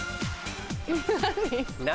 何？